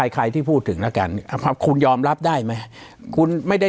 ไอ้ใครที่พูดถึงแล้วกันคุณยอมรับได้ไหม